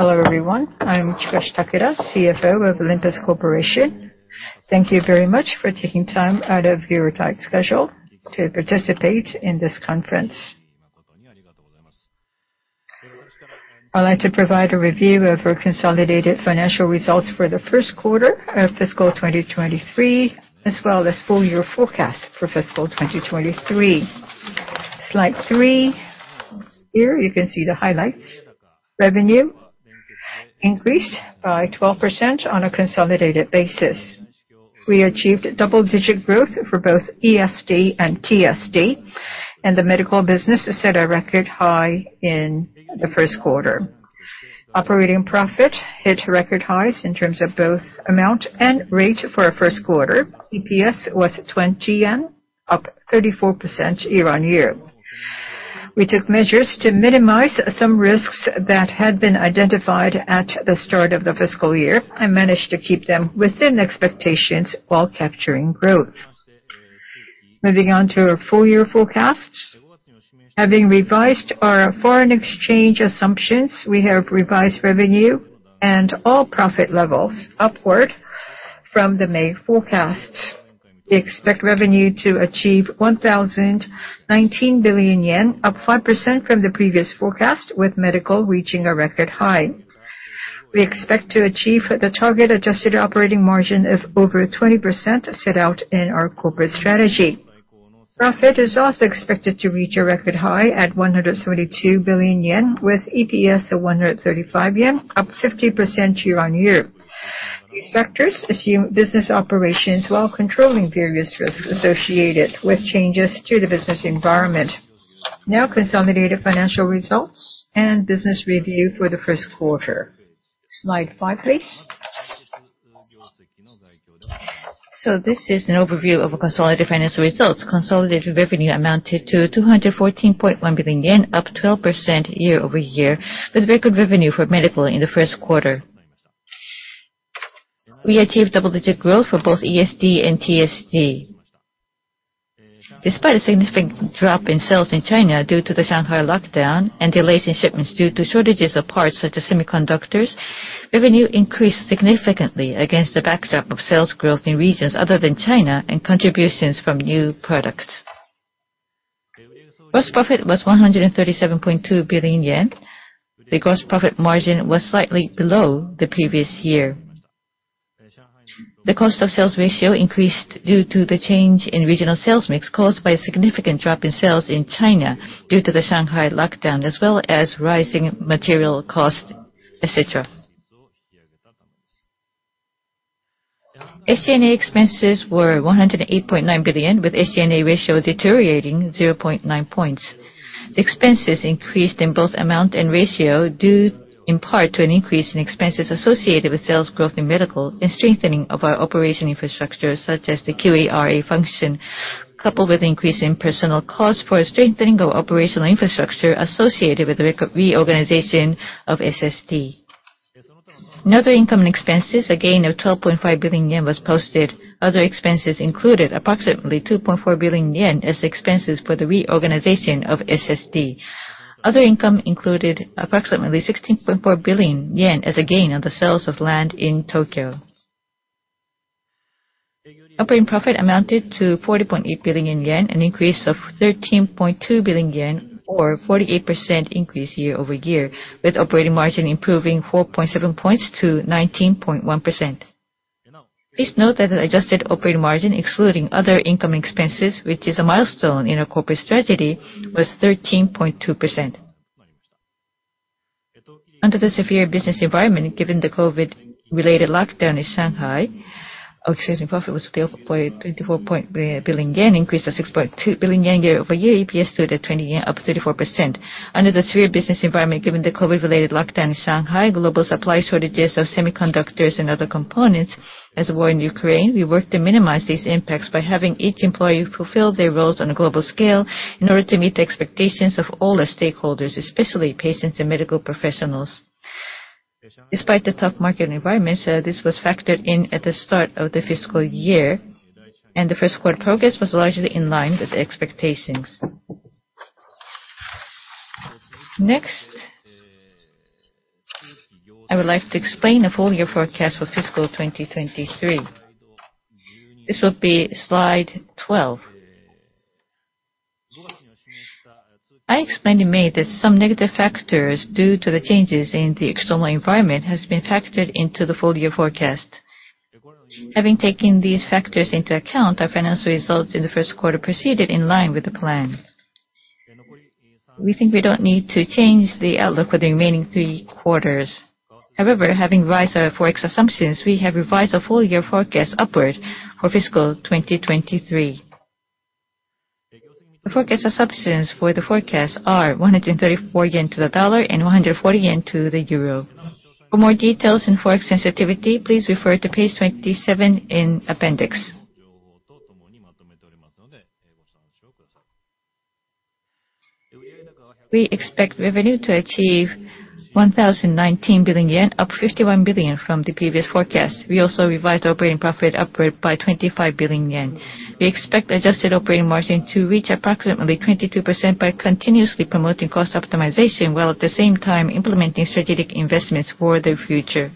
Hello, everyone. I am Chikashi Takara, CFO of Olympus Corporation. Thank you very much for taking time out of your tight schedule to participate in this conference. I would like to provide a review of our consolidated financial results for the first quarter of fiscal 2023, as well as full-year forecast for fiscal 2023. Slide three. Here, you can see the highlights. Revenue increased by 12% on a consolidated basis. We achieved double-digit growth for both ESD and TSD, and the medical business set a record high in the first quarter. Operating profit hit record highs in terms of both amount and rate for our first quarter. EPS was 20 yen, up 34% year-on-year. We took measures to minimize some risks that had been identified at the start of the fiscal year and managed to keep them within expectations while capturing growth. Moving on to our full-year forecasts. Having revised our foreign exchange assumptions, we have revised revenue and all profit levels upward from the May forecasts. We expect revenue to achieve 1,019 billion yen, up 5% from the previous forecast, with medical reaching a record high. We expect to achieve the target adjusted operating margin of over 20% set out in our corporate strategy. Profit is also expected to reach a record high at 172 billion yen, with EPS of 135 yen, up 50% year-on-year. These factors assume business operations while controlling various risks associated with changes to the business environment. Consolidated financial results and business review for the first quarter. Slide five, please. This is an overview of our consolidated financial results. Consolidated revenue amounted to 214.1 billion yen, up 12% year-over-year, with record revenue for medical in the first quarter. We achieved double-digit growth for both ESD and TSD. Despite a significant drop in sales in China due to the Shanghai lockdown and delays in shipments due to shortages of parts such as semiconductors, revenue increased significantly against the backdrop of sales growth in regions other than China and contributions from new products. Gross profit was 137.2 billion yen. The gross profit margin was slightly below the previous year. The cost of sales ratio increased due to the change in regional sales mix caused by a significant drop in sales in China due to the Shanghai lockdown, as well as rising material costs, et cetera. SG&A expenses were 108.9 billion, with SG&A ratio deteriorating 0.9 points. Expenses increased in both amount and ratio, due in part to an increase in expenses associated with sales growth in medical and strengthening of our operation infrastructure, such as the QARA function, coupled with increase in personal cost for a strengthening of operational infrastructure associated with the reorganization of SSD. In other income and expenses, a gain of 12.5 billion yen was posted. Other expenses included approximately 2.4 billion yen as expenses for the reorganization of SSD. Other income included approximately 16.4 billion yen as a gain on the sales of land in Tokyo. Operating profit amounted to 40.8 billion yen, an increase of 13.2 billion yen, or a 48% increase year-over-year, with operating margin improving 4.7 points to 19.1%. Please note that the adjusted operating margin, excluding other income expenses, which is a milestone in our corporate strategy, was 13.2%. Under the severe business environment, given the COVID-related lockdown in Shanghai, excuse me, profit was 24 billion yen, increase of 6.2 billion yen year-over-year. EPS stood at 20 yen, up 34%. Under the severe business environment given the COVID-related lockdown in Shanghai, global supply shortages of semiconductors and other components, as well as war in Ukraine, we worked to minimize these impacts by having each employee fulfill their roles on a global scale in order to meet the expectations of all our stakeholders, especially patients and medical professionals. Despite the tough market environment, this was factored in at the start of the fiscal year, and the first quarter progress was largely in line with the expectations. Next, I would like to explain the full year forecast for fiscal 2023. This will be slide 12. I explained in May that some negative factors due to the changes in the external environment have been factored into the full year forecast. Having taken these factors into account, our financial results in the first quarter proceeded in line with the plan. We think we don't need to change the outlook for the remaining three quarters. However, having revised our Forex assumptions, we have revised our full year forecast upward for fiscal 2023. The forecast assumptions for the forecast are 134 yen to the dollar and 140 yen to the euro. For more details on Forex sensitivity, please refer to page 27 in appendix. We expect revenue to achieve 1,019 billion yen, up 51 billion from the previous forecast. We also revised operating profit upward by 25 billion yen. We expect adjusted operating margin to reach approximately 22% by continuously promoting cost optimization, while at the same time implementing strategic investments for the future.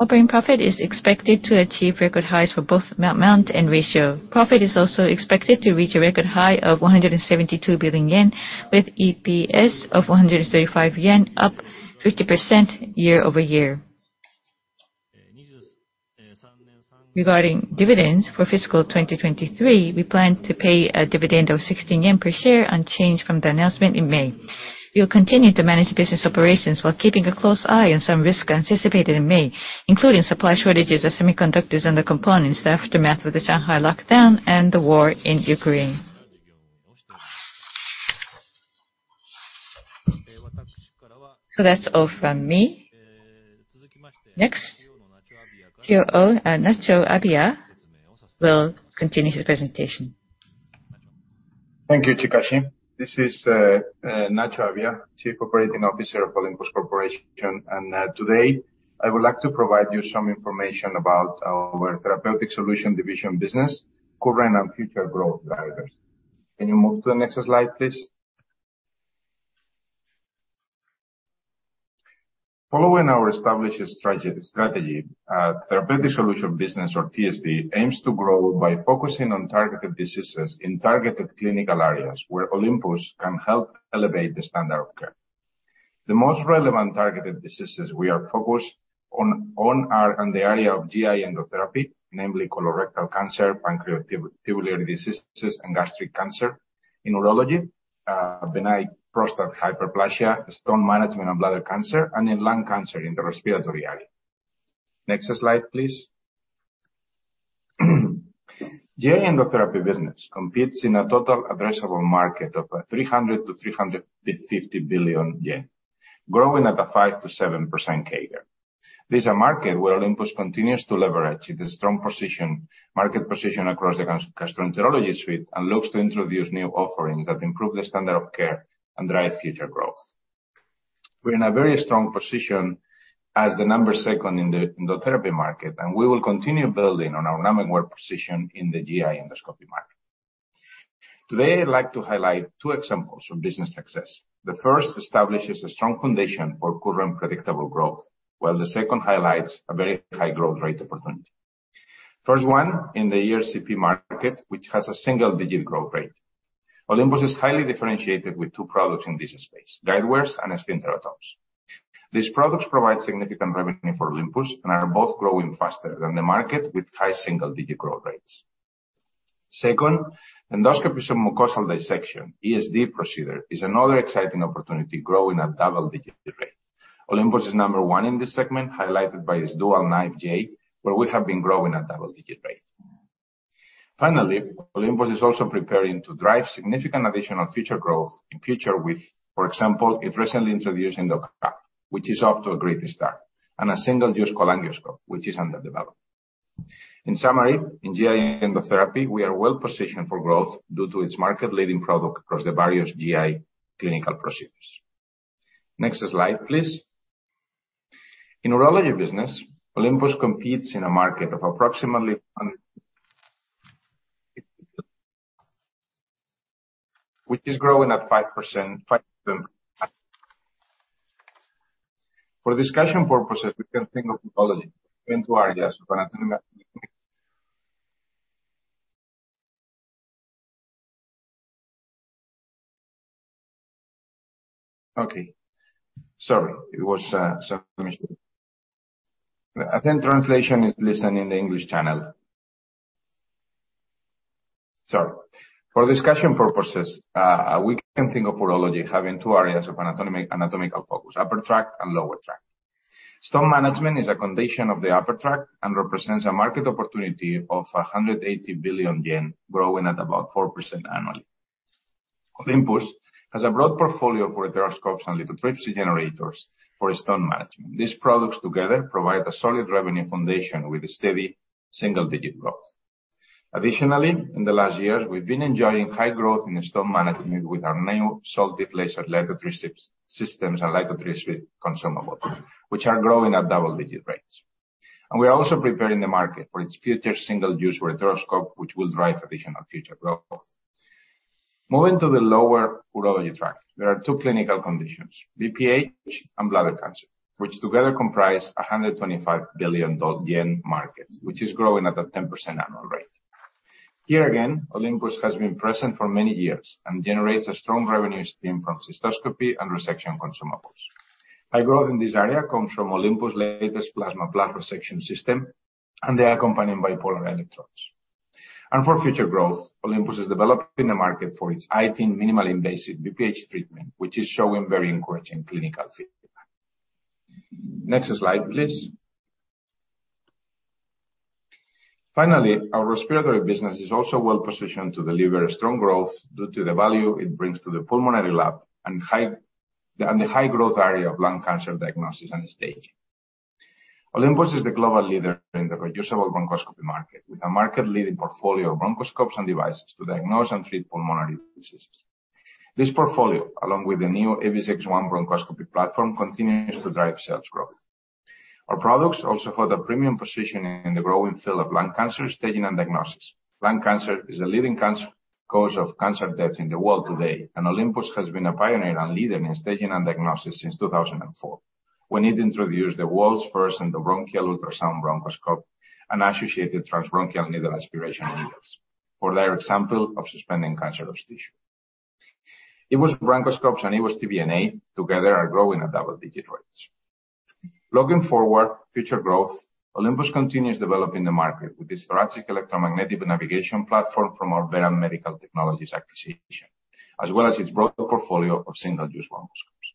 Operating profit is expected to achieve record highs for both amount and ratio. Profit is also expected to reach a record high of 172 billion yen, with EPS of 135 yen, up 50% year-over-year. Regarding dividends for fiscal 2023, we plan to pay a dividend of 16 yen per share, unchanged from the announcement in May. We will continue to manage business operations while keeping a close eye on some risks anticipated in May, including supply shortages of semiconductors and the components, the aftermath of the Shanghai lockdown, and the war in Ukraine. That's all from me. Next, COO Nacho Abia will continue his presentation. Thank you, Chikashi. This is Nacho Abia, Chief Operating Officer of Olympus Corporation. Today, I would like to provide you some information about our Therapeutic Solutions Division business current and future growth drivers. Can you move to the next slide, please? Following our established strategy, Therapeutic Solutions business, or TSD, aims to grow by focusing on targeted diseases in targeted clinical areas where Olympus can help elevate the standard of care. The most relevant targeted diseases we are focused on are in the area of GI endotherapy, namely colorectal cancer, pancreatic tubular diseases, and gastric cancer. In urology, benign prostatic hyperplasia, stone management, and bladder cancer, and in lung cancer in the respiratory area. Next slide, please. GI endotherapy business competes in a total addressable market of 300 billion-350 billion yen, growing at a 5%-7% CAGR. This is a market where Olympus continues to leverage the strong market position across the gastroenterology suite and looks to introduce new offerings that improve the standard of care and drive future growth. We are in a very strong position as the number 2 in the endotherapy market, and we will continue building on our number 1 position in the GI endoscopy market. Today, I would like to highlight two examples from business success. The first establishes a strong foundation for current predictable growth, while the second highlights a very high growth rate opportunity. First one, in the ERCP market, which has a single-digit growth rate. Olympus is highly differentiated with two products in this space, guidewires and sphincterotomes. These products provide significant revenue for Olympus and are both growing faster than the market, with high single-digit growth rates. Second, Endoscopic Submucosal Dissection, ESD procedure, is another exciting opportunity growing at double-digit rate. Olympus is number 1 in this segment, highlighted by its DualKnife J, where we have been growing at double-digit rate. Finally, Olympus is also preparing to drive significant additional future growth in future with, for example, its recently introduced ENDOCAPSULE, which is off to a great start, and a single-use cholangioscope, which is under development. In summary, in GI endotherapy, we are well-positioned for growth due to its market-leading product across the various GI clinical procedures. Next slide, please. In urology business, Olympus competes in a market of approximately which is growing at 5%. For discussion purposes, we can think of urology in two areas of anatomical. Okay. Sorry. Some issue. I think translation is listening to English channel. Sorry. For discussion purposes, we can think of urology having two areas of anatomical focus, upper tract and lower tract. Stone management is a condition of the upper tract and represents a market opportunity of 180 billion yen, growing at about 4% annually. Olympus has a broad portfolio for ureteroscopes and lithotripsy generators for stone management. These products together provide a solid revenue foundation with a steady single-digit growth. Additionally, in the last years, we have been enjoying high growth in stone management with our new Soltive laser lithotripsy systems and lithotripsy consumables, which are growing at double-digit rates. We are also preparing the market for its future single-use ureteroscope, which will drive additional future growth. Moving to the lower urology tract, there are two clinical conditions, BPH and bladder cancer, which together comprise 125 billion yen market, which is growing at a 10% annual rate. Here again, Olympus has been present for many years and generates a strong revenue stream from cystoscopy and resection consumables. High growth in this area comes from Olympus' latest plasma bladder resection system, and they are accompanied by bipolar electrodes. For future growth, Olympus is developing the market for its iTind minimally invasive BPH treatment, which is showing very encouraging clinical feedback. Next slide, please. Finally, our respiratory business is also well-positioned to deliver strong growth due to the value it brings to the pulmonary lab and the high growth area of lung cancer diagnosis and staging. Olympus is the global leader in the reusable bronchoscopy market, with a market-leading portfolio of bronchoscopes and devices to diagnose and treat pulmonary diseases. This portfolio, along with the new EVIS X1 bronchoscopy platform, continues to drive sales growth. Our products also hold a premium position in the growing field of lung cancer staging and diagnosis. Lung cancer is the leading cancer cause of cancer deaths in the world today. Olympus has been a pioneer and leader in staging and diagnosis since 2004, when it introduced the world's first endobronchial ultrasound bronchoscope and associated transbronchial needle aspiration needles for their example of suspending cancerous tissue. EBUS bronchoscope and EBUS TBNA together are growing at double-digit rates. Looking forward, future growth, Olympus continues developing the market with its thoracic electromagnetic navigation platform from our Veran Medical Technologies acquisition, as well as its broader portfolio of single-use bronchoscopes.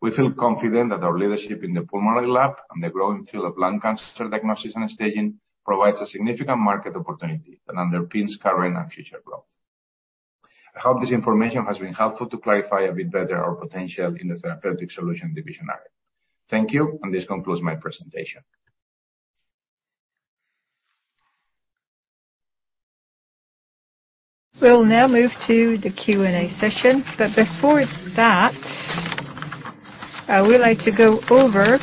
We feel confident that our leadership in the pulmonary lab and the growing field of lung cancer diagnosis and staging provides a significant market opportunity and underpins current and future growth. I hope this information has been helpful to clarify a bit better our potential in the Therapeutic Solutions Division area. Thank you, and this concludes my presentation. We'll now move to the Q&A session. Before that, I would like to go over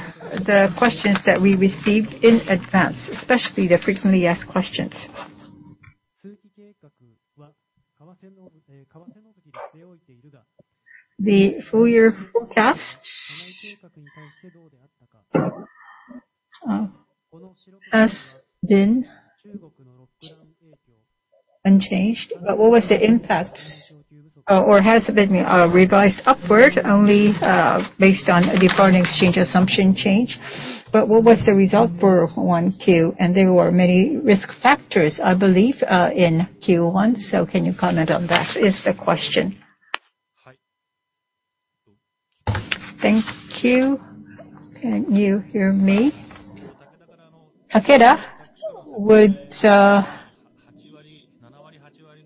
the questions that we received in advance, especially the frequently asked questions. The full year forecasts have been unchanged. What was the impact, or has it been revised upward only based on a foreign exchange assumption change? What was the result for 1Q? There were many risk factors, I believe, in Q1. Can you comment on that, is the question. Thank you. Can you hear me? Takeda would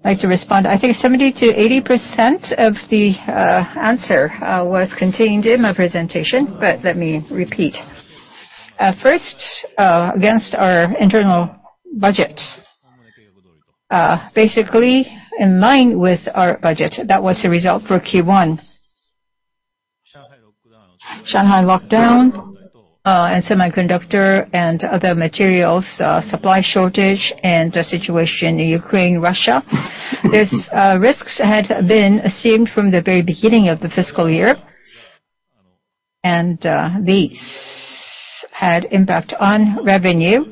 like to respond. I think 70%-80% of the answer was contained in my presentation, but let me repeat. First, against our internal budget. Basically, in line with our budget, that was the result for Q1. Shanghai lockdown, and semiconductor and other materials supply shortage, and the situation in Ukraine, Russia. These risks had been assumed from the very beginning of the fiscal year, and these had impact on revenue.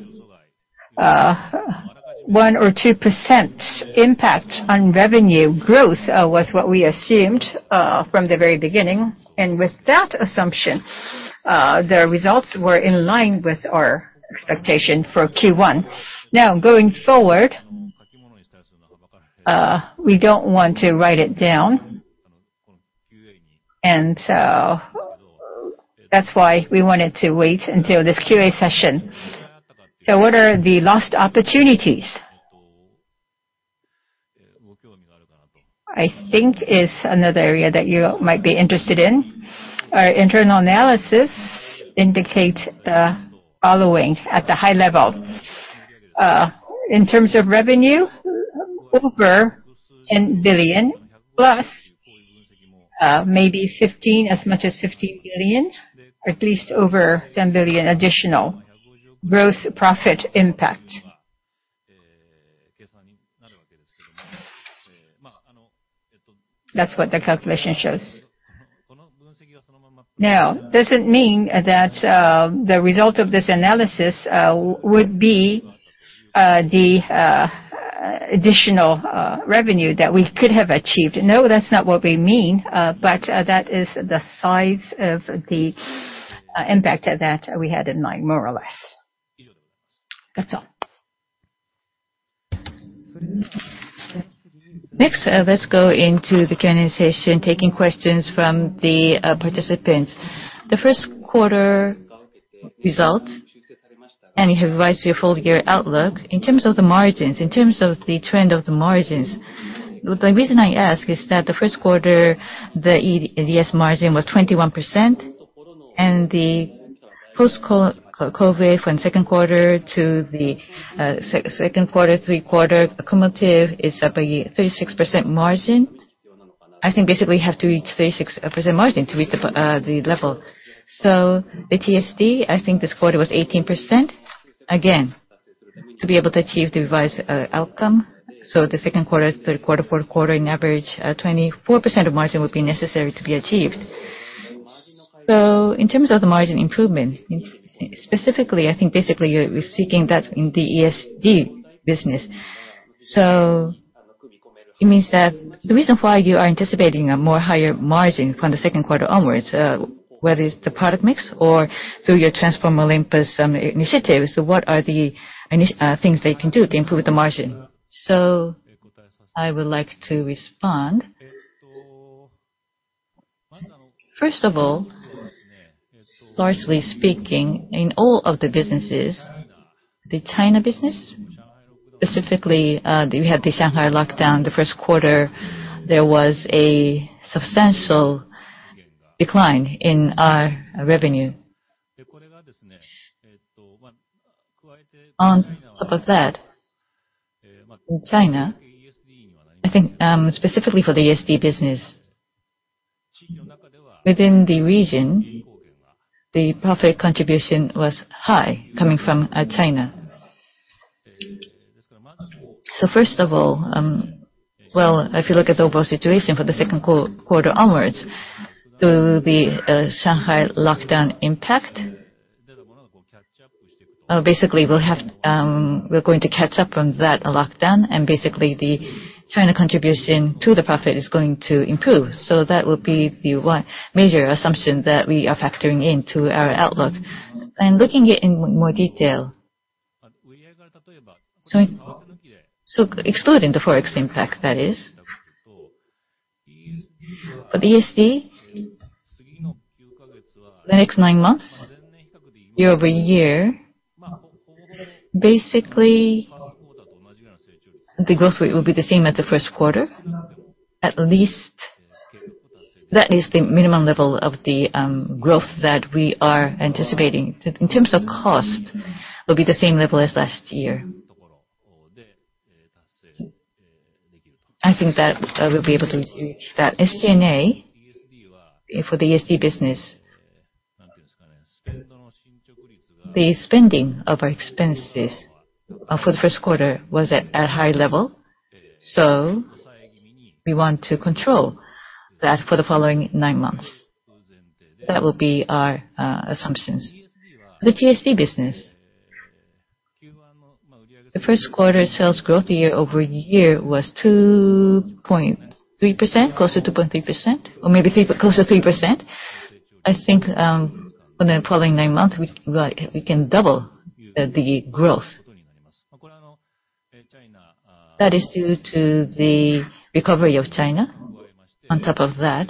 1% or 2% impact on revenue growth, was what we assumed from the very beginning. With that assumption, the results were in line with our expectation for Q1. Going forward, we don't want to write it down, and that's why we wanted to wait until this Q&A session. What are the lost opportunities? I think is another area that you might be interested in. Our internal analysis indicate the following at the high level. In terms of revenue, over 10 billion plus, maybe 15 billion, as much as 15 billion, or at least over 10 billion additional gross profit impact. That's what the calculation shows. Doesn't mean that the result of this analysis would be the additional revenue that we could have achieved. No, that's not what we mean, but that is the size of the impact that we had in mind, more or less. That's all. Let's go into the Q&A session, taking questions from the participants. The first quarter results, and you have revised your full-year outlook. In terms of the margins, in terms of the trend of the margins, the reason I ask is that the first quarter, the ESD margin was 21%, and the post-COVID from second quarter, third quarter cumulative is up a 36% margin. I think basically you have to reach 36% margin to reach the level. The TSD, I think this quarter was 18%, again, to be able to achieve the revised outcome. The second quarter, third quarter, fourth quarter, in average 24% margin would be necessary to be achieved. In terms of the margin improvement, specifically, I think basically you're seeking that in the ESD business. It means that the reason why you are anticipating a more higher margin from the second quarter onwards, whether it's the product mix or through your Transform Olympus initiatives, what are the things that you can do to improve the margin? I would like to respond. First of all, largely speaking, in all of the businesses, the China business, specifically, we had the Shanghai lockdown the first quarter. There was a substantial decline in our revenue. On top of that, in China, I think specifically for the ESD business Within the region, the profit contribution was high coming from China. First of all, if you look at the overall situation for the second quarter onwards, there will be a Shanghai lockdown impact. Basically, we are going to catch up on that lockdown, and basically the China contribution to the profit is going to improve. That will be the one major assumption that we are factoring into our outlook. Looking at it in more detail, excluding the Forex impact, that is, for ESD, the next 9 months, year-over-year, basically the growth rate will be the same as the first quarter. At least, that is the minimum level of the growth that we are anticipating. In terms of cost, it will be the same level as last year. I think that we will be able to reach that. SG&A for the ESD business. The spending of our expenses for the first quarter was at a high level, so we want to control that for the following 9 months. That will be our assumptions. The TSD business, the first quarter sales growth year-over-year was 2.3%, close to 2.3%, or maybe close to 3%. I think in the following 9 months, we can double the growth. That is due to the recovery of China. On top of that,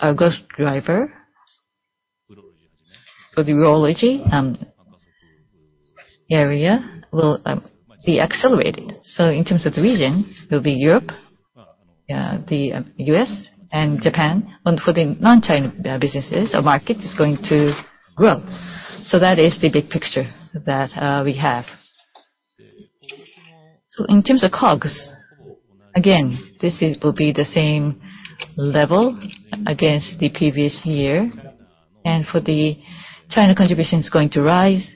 our growth driver for the urology area will be accelerated. In terms of the region, it will be Europe, the U.S., and Japan. For the non-China businesses, our market is going to grow. That is the big picture that we have. In terms of COGS, again, this will be the same level against the previous year. For the China contribution, it is going to rise,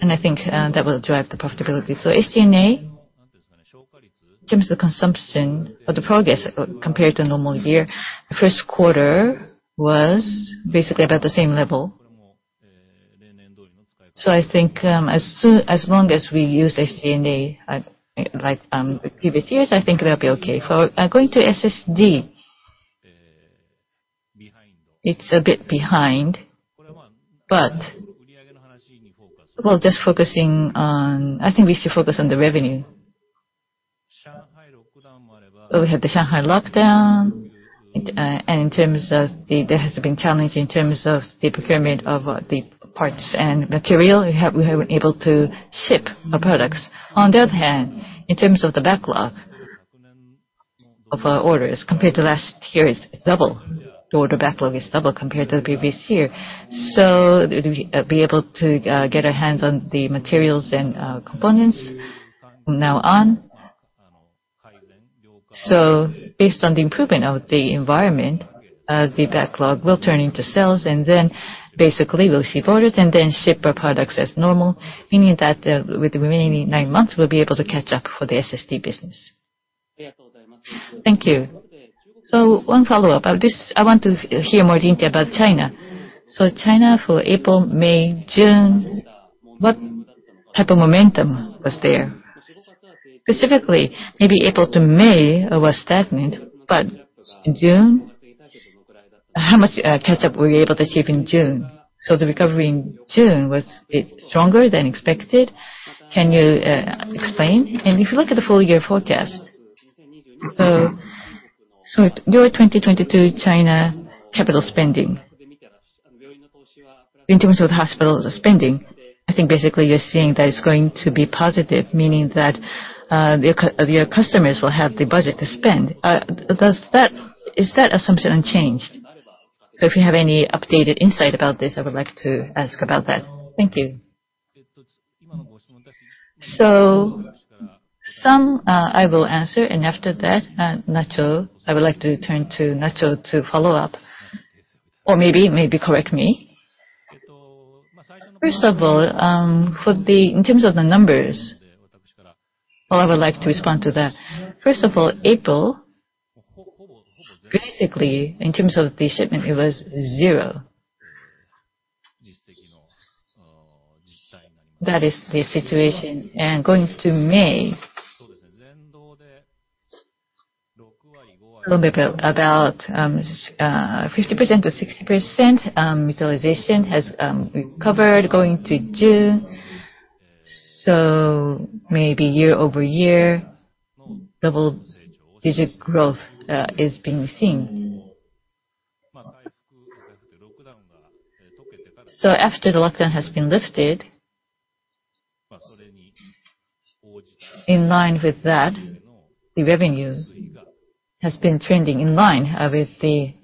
and I think that will drive the profitability. SG&A, in terms of the consumption or the progress compared to a normal year, the first quarter was basically about the same level. I think as long as we use SG&A like the previous years, I think that will be okay. Going to SSD, it is a bit behind, but, well, I think we should focus on the revenue. We had the Shanghai lockdown, and there has been challenge in terms of the procurement of the parts and material. We have not been able to ship our products. On the other hand, in terms of the backlog of our orders compared to last year, it is double. The order backlog is double compared to the previous year. We will be able to get our hands on the materials and components from now on. Based on the improvement of the environment, the backlog will turn into sales, and then basically we will see orders and then ship our products as normal, meaning that with the remaining nine months, we will be able to catch up for the SSD business. Thank you. One follow-up. I want to hear more detail about China. China for April, May, June, what type of momentum was there? Specifically, maybe April to May was stagnant, but in June, how much catch-up were you able to achieve in June? The recovery in June, was it stronger than expected? Can you explain? If you look at the full-year forecast, your 2022 China capital spending. In terms of the hospital's spending, I think basically you are saying that it is going to be positive, meaning that your customers will have the budget to spend. Is that assumption unchanged? If you have any updated insight about this, I would like to ask about that. Thank you. Some I will answer, and after that, Nacho, I would like to turn to Nacho to follow up or maybe correct me. First of all, in terms of the numbers, I would like to respond to that. First of all, April, basically, in terms of the shipment, it was zero. That is the situation. Going to May, it will be about 50%-60% utilization has recovered. Going to June, maybe year-over-year, double-digit growth is being seen. After the lockdown has been lifted, in line with that, the revenue has been trending in line with the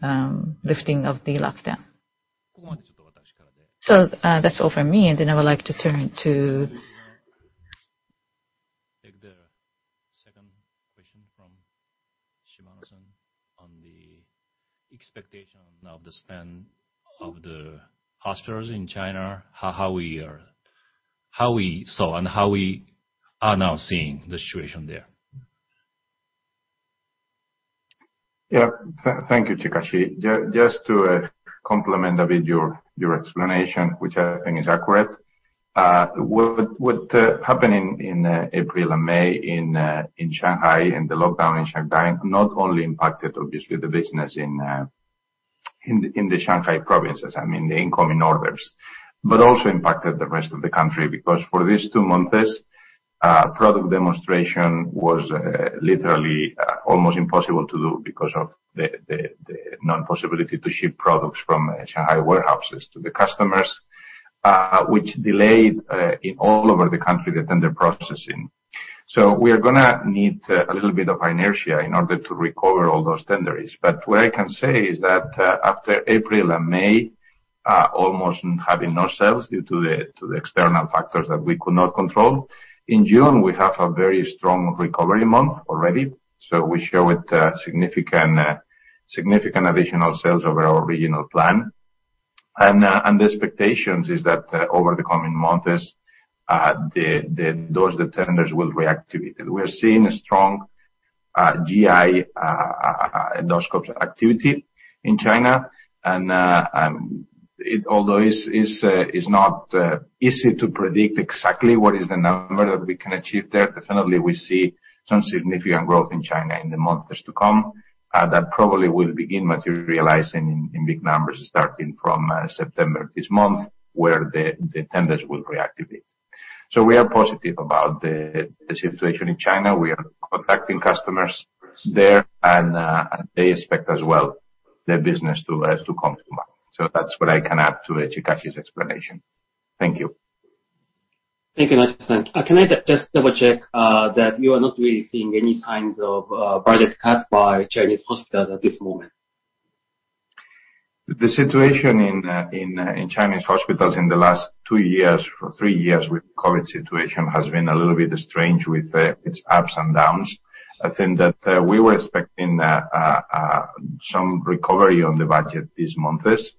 lifting of the lockdown. That is all from me, and then I would like to turn to Take the second question from Shimadison on the expectation of the spend of the hospitals in China, how we are now seeing the situation there. Thank you, Chikashi. Just to complement a bit your explanation, which I think is accurate. What happened in April and May in Shanghai, and the lockdown in Shanghai, not only impacted, obviously, the business in the Shanghai provinces, I mean, the incoming orders, but also impacted the rest of the country. For these two months, product demonstration was literally almost impossible to do because of the non-possibility to ship products from Shanghai warehouses to the customers, which delayed in all over the country the tender processing. We are going to need a little bit of inertia in order to recover all those tenders. What I can say is that after April and May, almost having no sales due to the external factors that we could not control. In June, we have a very strong recovery month already. We show a significant additional sales over our original plan. The expectation is that over the coming months, those tenders will reactivate. We are seeing a strong GI endoscope activity in China, and although it's not easy to predict exactly what is the number that we can achieve there, definitely we see some significant growth in China in the months to come. That probably will begin materializing in big numbers starting from September this month, where the tenders will reactivate. We are positive about the situation in China. We are contacting customers there, and they expect as well their business to come to market. That's what I can add to Chikashi's explanation. Thank you. Thank you, Ignacio. Can I just double-check that you are not really seeing any signs of budget cut by Chinese hospitals at this moment? The situation in Chinese hospitals in the last two years or three years with COVID situation has been a little bit strange with its ups and downs. I think that we were expecting some recovery on the budget these months,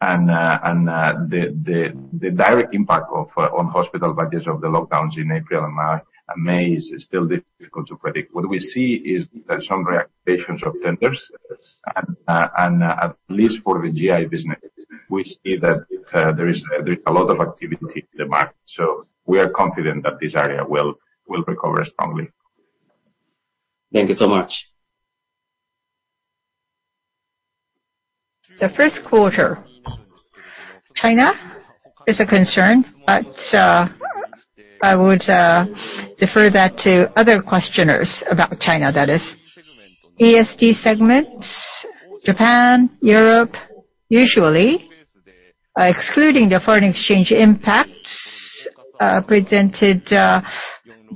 and the direct impact on hospital budgets of the lockdowns in April and May is still difficult to predict. What we see is that some reactivations of tenders, and at least for the GI business, we see that there's a lot of activity in the market. We are confident that this area will recover strongly. Thank you so much. The first quarter, China is a concern. I would defer that to other questioners about China, that is. ESD segments, Japan, Europe, usually, excluding the foreign exchange impacts, presented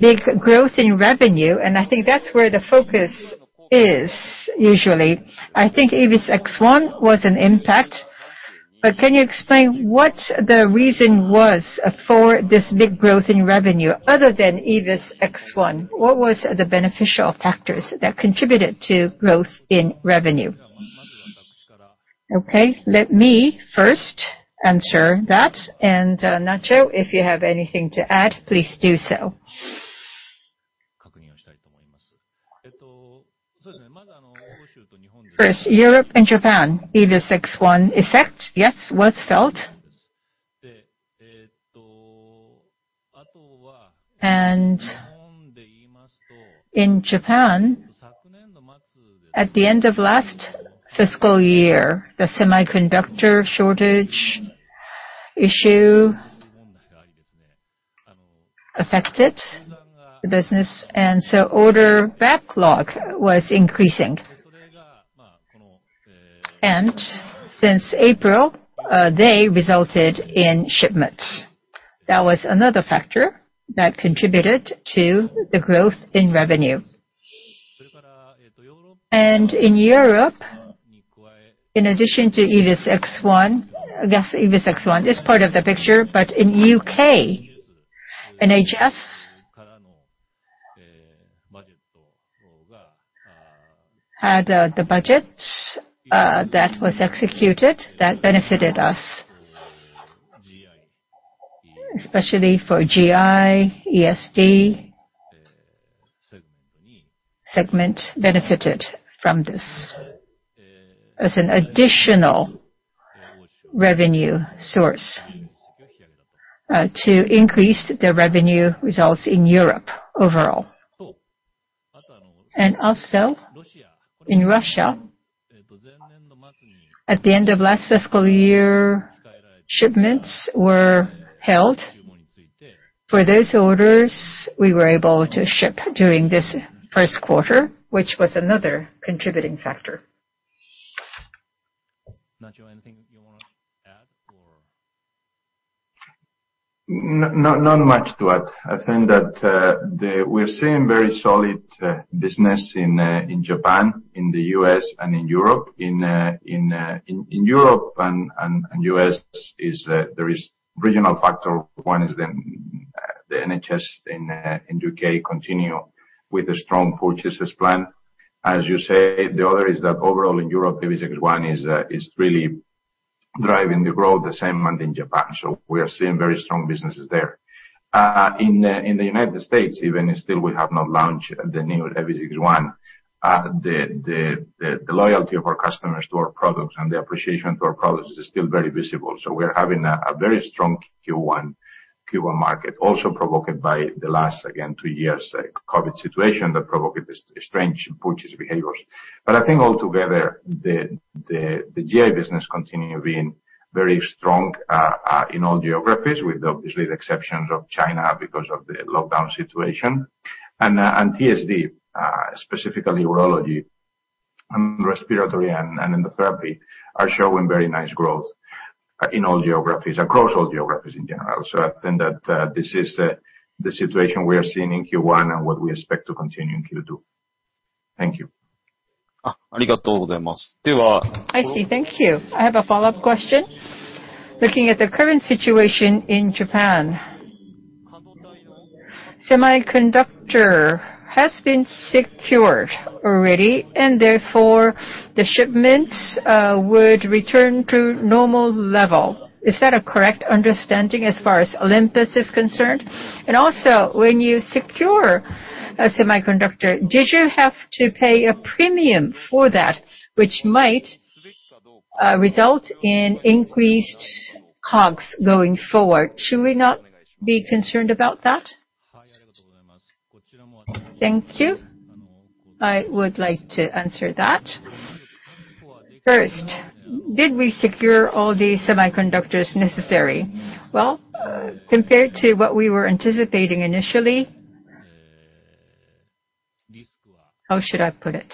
big growth in revenue, and I think that's where the focus is, usually. I think EVIS X1 was an impact, but can you explain what the reason was for this big growth in revenue other than EVIS X1? What was the beneficial factors that contributed to growth in revenue? Okay, let me first answer that, and Nacho, if you have anything to add, please do so. First, Europe and Japan, EVIS X1 effect, yes, was felt. In Japan, at the end of last fiscal year, the semiconductor shortage issue affected the business, so order backlog was increasing. Since April, they resulted in shipments. That was another factor that contributed to the growth in revenue. In Europe, in addition to EVIS X1, yes, EVIS X1 is part of the picture, but in U.K., NHS had the budget that was executed that benefited us. Especially for GI, ESD segment benefited from this as an additional revenue source to increase the revenue results in Europe overall. Also in Russia, at the end of last fiscal year, shipments were held. For those orders, we were able to ship during this first quarter, which was another contributing factor. Nacho, anything you want to add or Not much to add. I think that we're seeing very solid business in Japan, in the U.S., and in Europe. In Europe and U.S., there is regional factor. One is the NHS in U.K. continue with a strong purchases plan. As you say, the other is that overall in Europe, EVIS X1 is really driving the growth, the same in Japan. We are seeing very strong businesses there. In the United States, even still we have not launched the new EVIS X1. The loyalty of our customers to our products and the appreciation to our products is still very visible. We are having a very strong Q1 market, also provoked by the last, again, 2 years COVID situation that provoked strange purchase behaviors. I think altogether, the GI business continue being very strong in all geographies with obviously the exceptions of China because of the lockdown situation. TSD, specifically urology and respiratory and endotherapy, are showing very nice growth in all geographies, across all geographies in general. I think that this is the situation we are seeing in Q1 and what we expect to continue in Q2. Thank you. I see. Thank you. I have a follow-up question. Looking at the current situation in Japan, semiconductor has been secured already, and therefore the shipments would return to normal level. Is that a correct understanding as far as Olympus is concerned? Also, when you secure a semiconductor, did you have to pay a premium for that, which might result in increased COGS going forward? Should we not be concerned about that? Thank you. I would like to answer that. First, did we secure all the semiconductors necessary? Well, compared to what we were anticipating initially, how should I put it?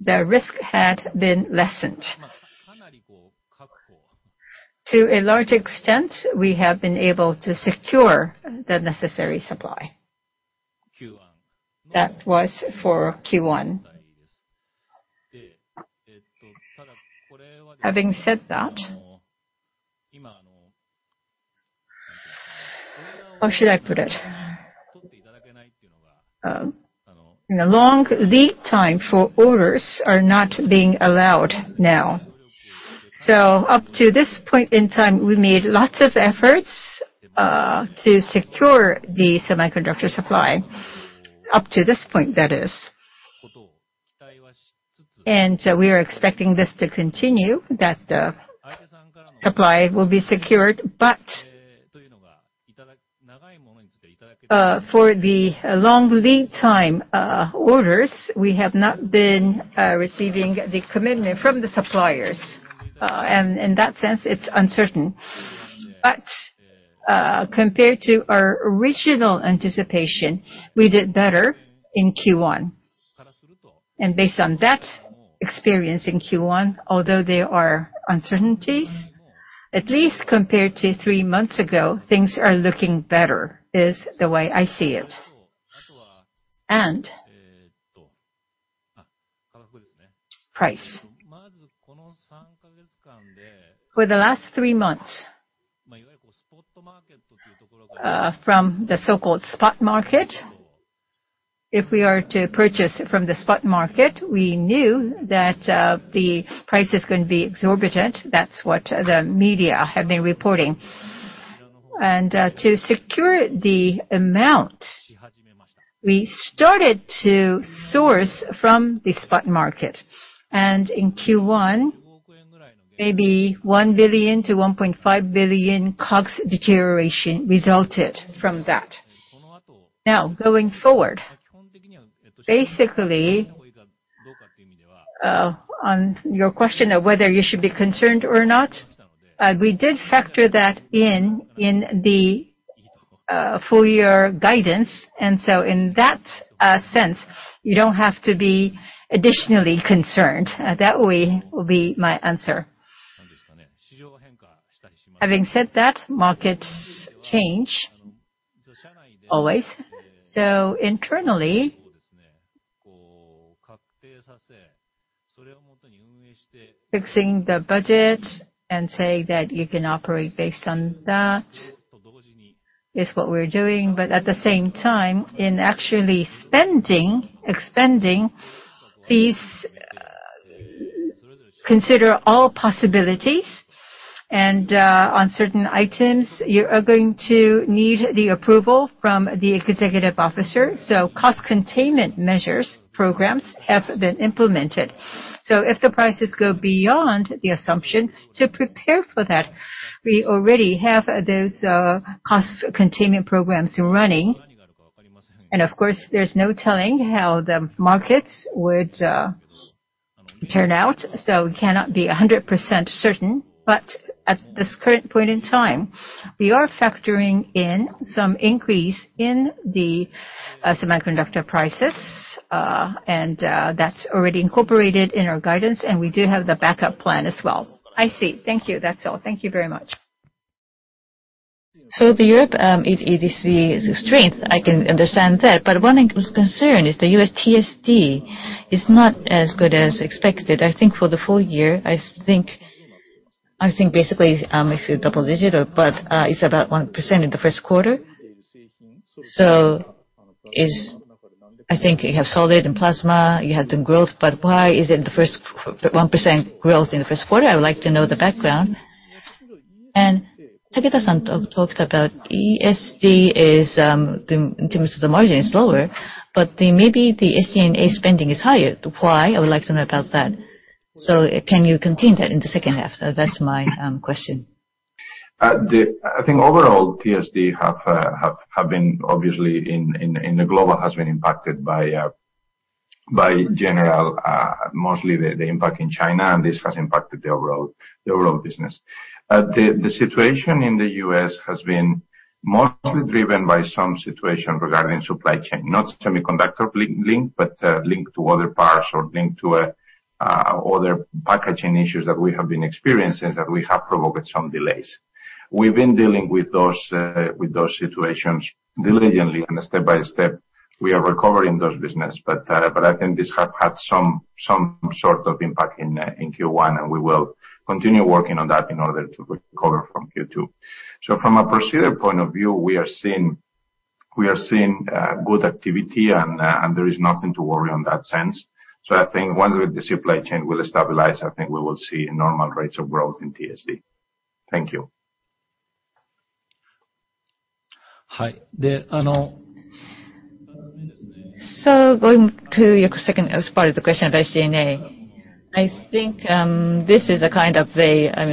The risk had been lessened. To a large extent, we have been able to secure the necessary supply. That was for Q1. Having said that, how should I put it? Long lead time for orders are not being allowed now. Up to this point in time, we made lots of efforts to secure the semiconductor supply, up to this point, that is. We are expecting this to continue, that the supply will be secured. For the long lead time orders, we have not been receiving the commitment from the suppliers. In that sense, it's uncertain. Compared to our original anticipation, we did better in Q1. Based on that experience in Q1, although there are uncertainties, at least compared to 3 months ago, things are looking better, is the way I see it. Price. For the last 3 months, from the so-called spot market, if we are to purchase from the spot market, we knew that the price is going to be exorbitant. That's what the media have been reporting. To secure the amount, we started to source from the spot market. In Q1, maybe 1 billion to 1.5 billion COGS deterioration resulted from that. Going forward, basically, on your question of whether you should be concerned or not, we did factor that in in the full year guidance. In that sense, you don't have to be additionally concerned. That will be my answer. Having said that, markets change always. Internally, fixing the budget and saying that you can operate based on that is what we're doing. At the same time, in actually spending, expending fees, consider all possibilities, and on certain items, you are going to need the approval from the Executive Officer. Cost containment measures programs have been implemented. If the prices go beyond the assumption, to prepare for that, we already have those cost containment programs running. Of course, there's no telling how the markets would turn out, so we cannot be 100% certain. At this current point in time. We are factoring in some increase in the semiconductor prices. That's already incorporated in our guidance, and we do have the backup plan as well. I see. Thank you. That's all. Thank you very much. Europe is the strength, I can understand that. One concern is the U.S. TSD is not as good as expected. I think for the full year, I think, basically, I see a double digit, but it's about 1% in the first quarter. I think you have solid in plasma, you have the growth, but why is it the first 1% growth in the first quarter? I would like to know the background. Taketa-san talked about ESD in terms of the margin is lower, but maybe the SG&A spending is higher. Why? I would like to know about that. Can you continue that in the second half? That's my question. I think overall, TSD have been, obviously, in the global has been impacted by general, mostly the impact in China. This has impacted the overall business. The situation in the U.S. has been mostly driven by some situation regarding supply chain, not semiconductor link, but link to other parts or link to other packaging issues that we have been experiencing that we have provoked some delays. We've been dealing with those situations diligently and step by step. We are recovering those business. I think this has had some sort of impact in Q1, and we will continue working on that in order to recover from Q2. From a procedure point of view, we are seeing good activity. There is nothing to worry on that sense. I think once the supply chain will stabilize, I think we will see normal rates of growth in TSD. Thank you. Going to your second part of the question about SG&A. I think this is a kind of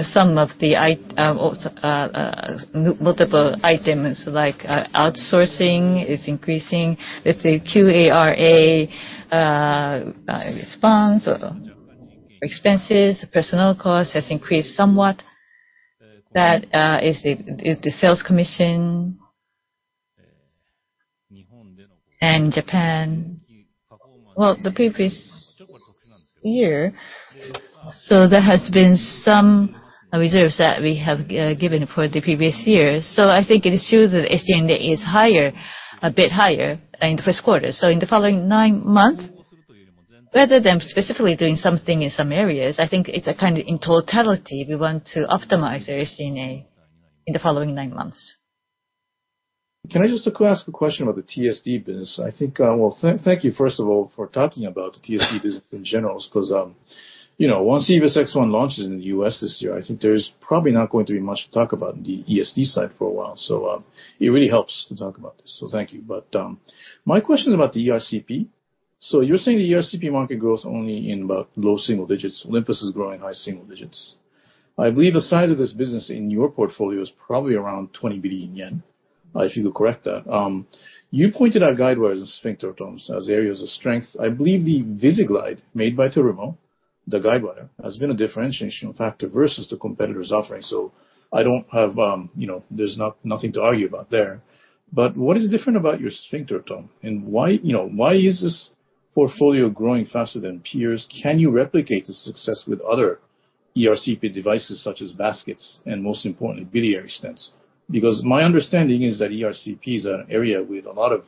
some of the multiple items like outsourcing is increasing. Let's say QARA response or expenses, personnel cost has increased somewhat. That is the sales commission. Japan, well, the previous year, there has been some reserves that we have given for the previous year. I think it is true that SG&A is a bit higher in the first quarter. In the following nine months, rather than specifically doing something in some areas, I think it's a kind of in totality, we want to optimize the SG&A in the following nine months. Can I just ask a question about the TSD business? Thank you, first of all, for talking about the TSD business in general, because once EVIS X1 launches in the U.S. this year, I think there's probably not going to be much to talk about on the ESD side for a while. It really helps to talk about this. Thank you. My question is about the ERCP. You're saying the ERCP market grows only in about low single digits. Olympus is growing high single digits. I believe the size of this business in your portfolio is probably around 20 billion yen, if you could correct that. You pointed out guidewires and sphincterotomes as areas of strength. I believe the VisiGlide made by Terumo, the guidewire, has been a differentiation factor versus the competitor's offering. There's nothing to argue about there. What is different about your sphincterotome and why is this portfolio growing faster than peers? Can you replicate the success with other ERCP devices such as baskets and most importantly, biliary stents? My understanding is that ERCP is an area with a lot of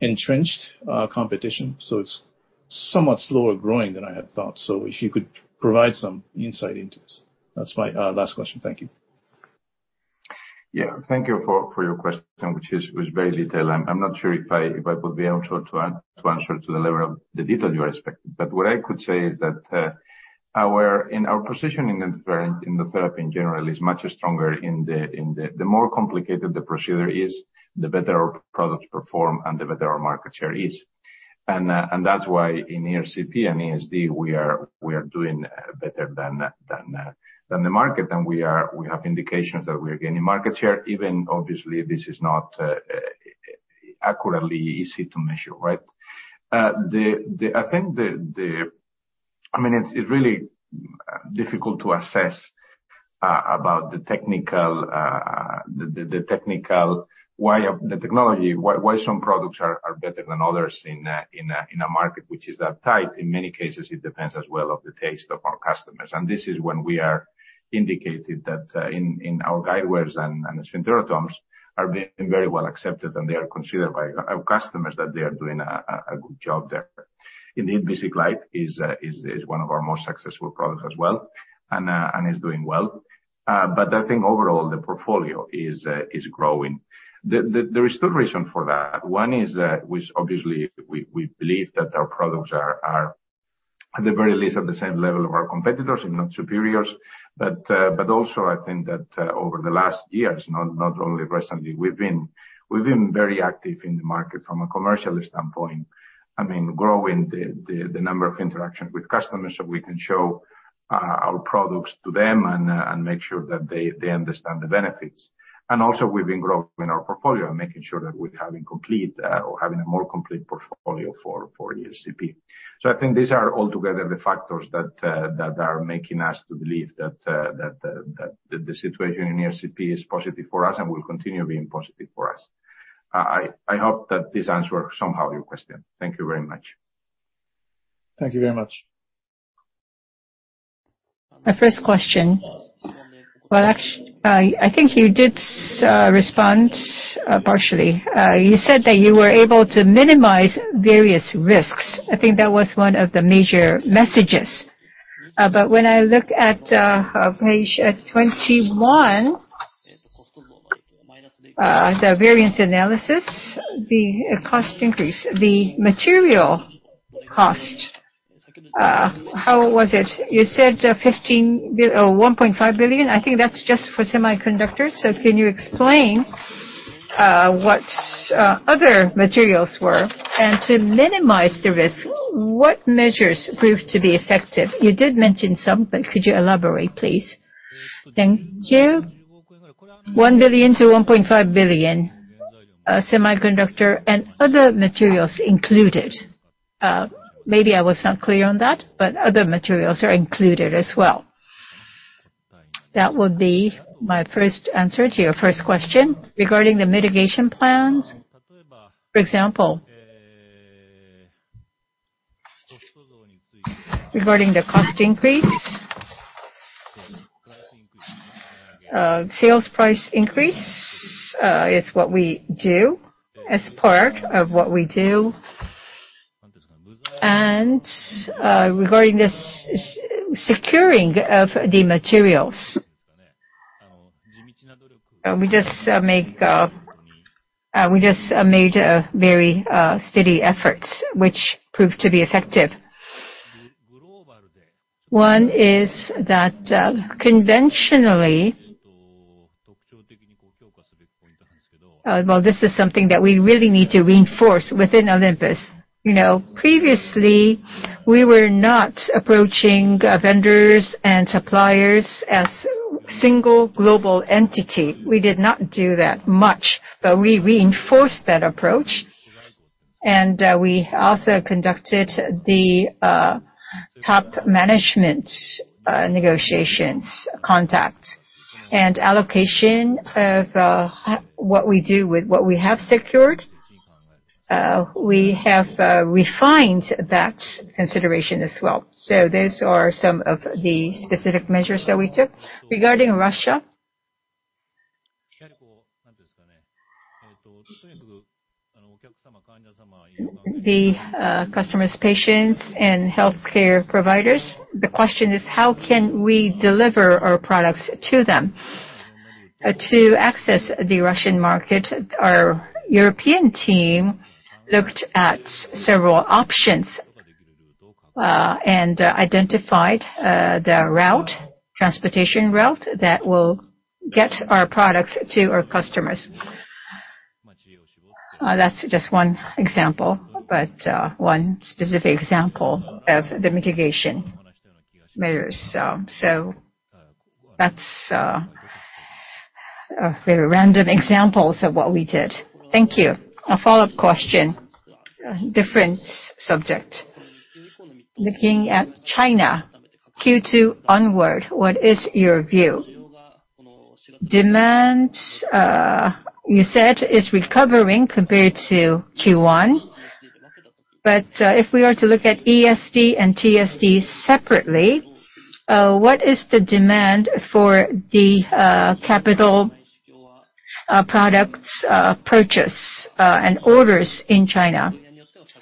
entrenched competition, so it's somewhat slower growing than I had thought. If you could provide some insight into this. That's my last question. Thank you. Yeah. Thank you for your question, which is very detailed. I'm not sure if I would be able to answer to the level of the detail you are expecting. What I could say is that our position in the therapy in general is much stronger. The more complicated the procedure is, the better our products perform and the better our market share is. That's why in ERCP and ESD, we are doing better than the market, and we have indications that we are gaining market share, even obviously this is not accurately easy to measure, right? It's really difficult to assess about the technical, why some products are better than others in a market which is that tight. In many cases, it depends as well on the taste of our customers. This is when we are indicated that in our guidewires and the sphincterotomes are being very well accepted, and they are considered by our customers that they are doing a good job there. Indeed, VisiGlide is one of our most successful products as well and is doing well. I think overall, the portfolio is growing. There is two reason for that. One is, which obviously we believe that our products are at the very least at the same level of our competitors, if not superiors. Also I think that over the last years, not only recently, we've been very active in the market from a commercial standpoint. Growing the number of interactions with customers, so we can show our products to them and make sure that they understand the benefits. Also, we've been growing our portfolio and making sure that we're having a more complete portfolio for ERCP. I think these are all together the factors that are making us believe that the situation in ERCP is positive for us and will continue being positive for us. I hope that this answers, somehow, your question. Thank you very much. Thank you very much. My first question. Well, actually, I think you did respond partially. You said that you were able to minimize various risks. I think that was one of the major messages. When I look at page 21, the variance analysis, the cost increase, the material cost, how was it? You said 1.5 billion. I think that's just for semiconductors. Can you explain what other materials were, and to minimize the risk, what measures proved to be effective? You did mention some, but could you elaborate, please? Thank you. 1 billion-1.5 billion, semiconductor and other materials included. Maybe I was not clear on that, but other materials are included as well. That would be my first answer to your first question. Regarding the mitigation plans, for example, regarding the cost increase, sales price increase is what we do as part of what we do, regarding the securing of the materials, we just made very steady efforts, which proved to be effective. One is that conventionally, this is something that we really need to reinforce within Olympus. Previously, we were not approaching vendors and suppliers as a single global entity. We did not do that much, but we reinforced that approach, and we also conducted the top management negotiations, contacts, and allocation of what we do with what we have secured. We have refined that consideration as well. Those are some of the specific measures that we took. Regarding Russia, the customers, patients, and healthcare providers, the question is how can we deliver our products to them? To access the Russian market, our European team looked at several options, and identified the transportation route that will get our products to our customers. That's just one example, but one specific example of the mitigation measures. That's a very random example of what we did. Thank you. A follow-up question, different subject. Looking at China, Q2 onward, what is your view? Demand, you said, is recovering compared to Q1, but if we are to look at ESD and TSD separately, what is the demand for the capital products purchase and orders in China?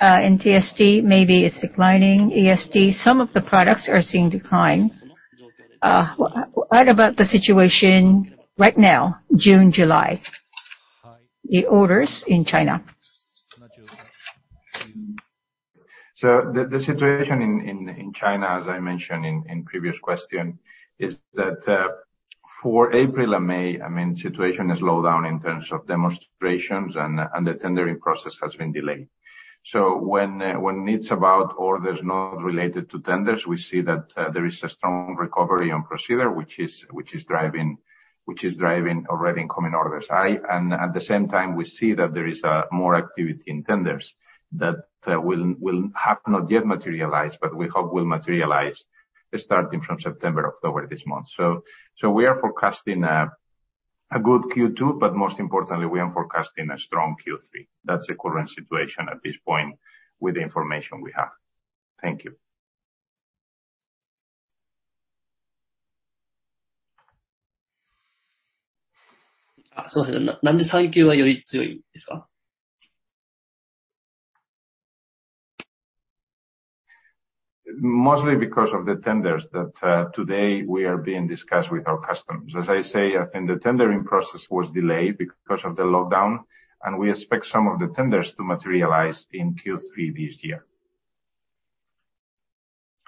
In TSD, maybe it's declining. ESD, some of the products are seeing decline. What about the situation right now, June, July, the orders in China? The situation in China, as I mentioned in previous question, is that for April and May, situation has slowed down in terms of demonstrations, and the tendering process has been delayed. When it's about orders not related to tenders, we see that there is a strong recovery on procedure, which is driving already incoming orders. At the same time, we see that there is more activity in tenders that will have not yet materialized, but we hope will materialize starting from September, October this month. We are forecasting a good Q2, but most importantly, we are forecasting a strong Q3. That's the current situation at this point with the information we have. Thank you. Mostly because of the tenders that today we are being discussed with our customers. As I say, I think the tendering process was delayed because of the lockdown, and we expect some of the tenders to materialize in Q3 this year.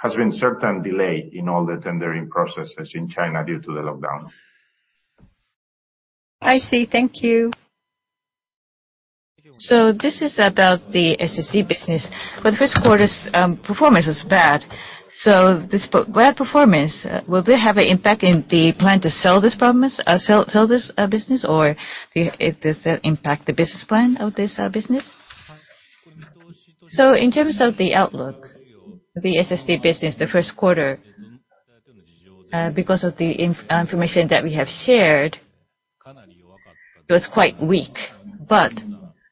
There has been certain delay in all the tendering processes in China due to the lockdown. I see. Thank you. This is about the SSD business, but the first quarter's performance was bad. This bad performance, will this have an impact in the plan to sell this business, or does that impact the business plan of this business? In terms of the outlook, the SSD business, the first quarter, because of the information that we have shared, it was quite weak.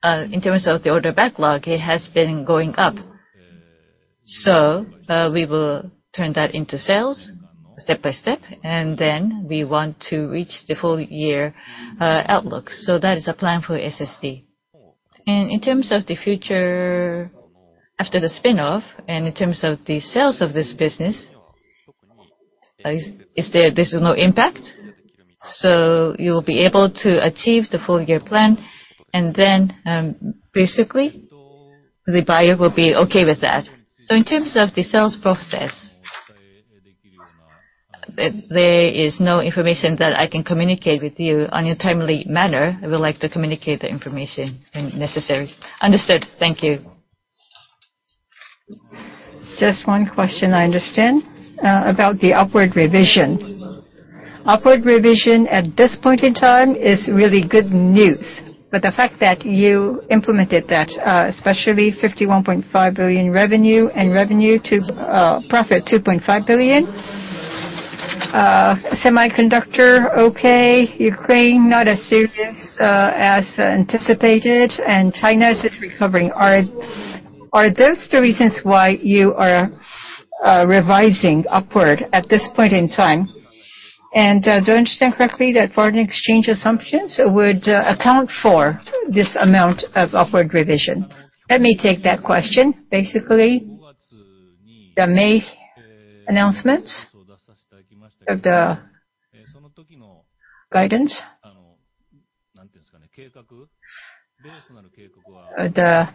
In terms of the order backlog, it has been going up. We will turn that into sales step by step, we want to reach the full year outlook. That is a plan for SSD. In terms of the future after the spin-off and in terms of the sales of this business, there is no impact. You will be able to achieve the full year plan, basically the buyer will be okay with that. In terms of the sales process, there is no information that I can communicate with you on a timely manner. I would like to communicate the information when necessary. Understood. Thank you. Just one question I understand about the upward revision. Upward revision at this point in time is really good news. The fact that you implemented that, especially 51.5 billion revenue and profit 2.5 billion. Semiconductor okay, Ukraine not as serious as anticipated, China is recovering. Are those the reasons why you are revising upward at this point in time? Do I understand correctly that foreign exchange assumptions would account for this amount of upward revision? Let me take that question. Basically, the May announcement of the guidance. The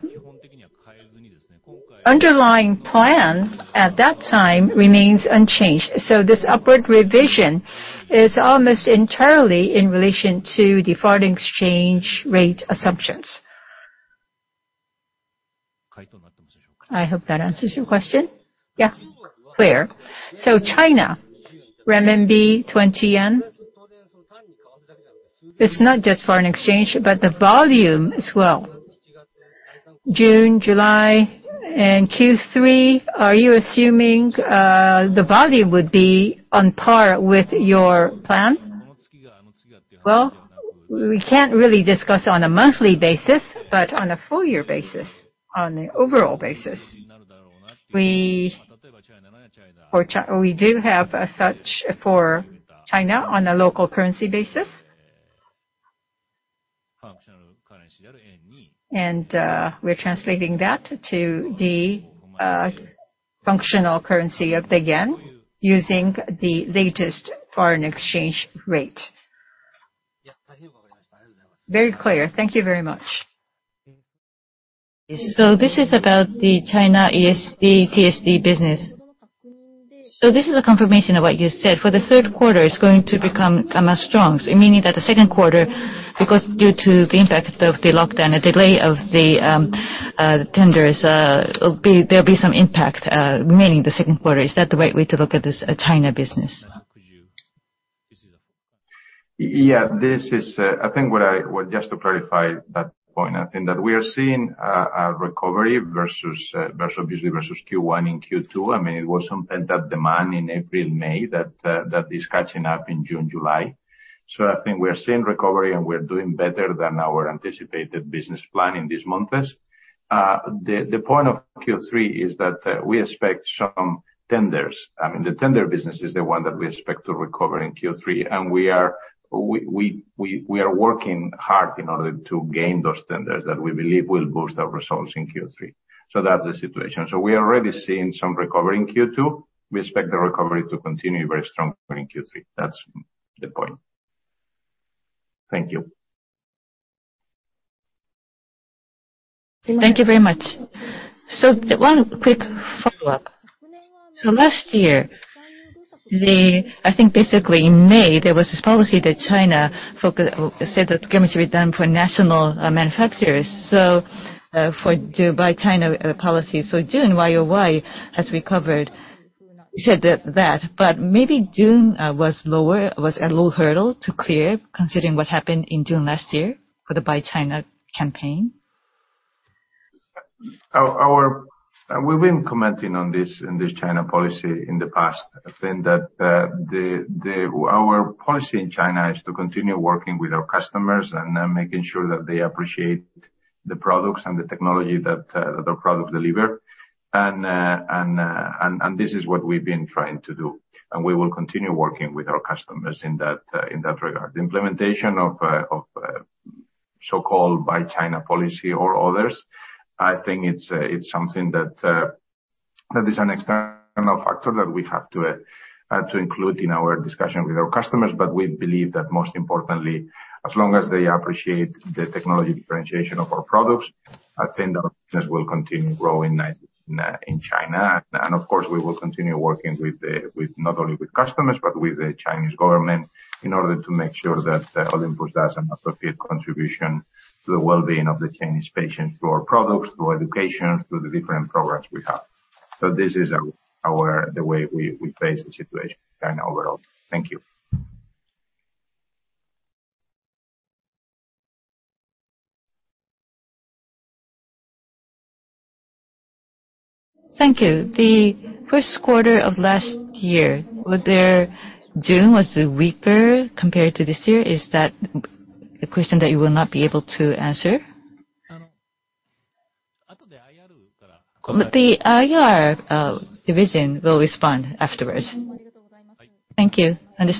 underlying plan at that time remains unchanged. This upward revision is almost entirely in relation to the foreign exchange rate assumptions. I hope that answers your question. Yeah, clear. China, renminbi 20 yen. It's not just foreign exchange, but the volume as well. June, July, Q3, are you assuming the volume would be on par with your plan? We can't really discuss on a monthly basis, on a full year basis, on the overall basis, we do have as such for China on a local currency basis. We're translating that to the functional currency of the yen using the latest foreign exchange rate. Very clear. Thank you very much. This is about the China ESD TSD business. This is a confirmation of what you said. For the third quarter, it's going to become strong. Meaning that the second quarter, because due to the impact of the lockdown, a delay of the tenders, there'll be some impact. Is that the right way to look at this China business? Yeah. Just to clarify that point, I think that we are seeing a recovery versus Q1. In Q2, it was something that demand in April, May, that is catching up in June, July. I think we are seeing recovery, and we are doing better than our anticipated business plan in these months. The point of Q3 is that we expect some tenders. The tender business is the one that we expect to recover in Q3. We are working hard in order to gain those tenders that we believe will boost our results in Q3. That's the situation. We are already seeing some recovery in Q2. We expect the recovery to continue very strong during Q3. That's the point. Thank you. Thank you very much. One quick follow-up. Last year, I think basically in May, there was this policy that China said that government should be done for national manufacturers. Buy China policy. June YoY has recovered. You said that, but maybe June was a low hurdle to clear considering what happened in June last year for the Buy China campaign. We've been commenting on this China policy in the past. I think that our policy in China is to continue working with our customers and making sure that they appreciate the products and the technology that our products deliver. This is what we've been trying to do, and we will continue working with our customers in that regard. The implementation of so-called Buy China policy or others, I think it's something that is an external factor that we have to include in our discussion with our customers. We believe that most importantly, as long as they appreciate the technology differentiation of our products, I think our business will continue growing in China. Of course, we will continue working not only with customers but with the Chinese government in order to make sure that Olympus does an appropriate contribution to the well-being of the Chinese patients, through our products, through education, through the different programs we have. This is the way we face the situation China overall. Thank you. Thank you. The first quarter of last year, June was weaker compared to this year. Is that a question that you will not be able to answer? The IR division will respond afterwards. Thank you. Understood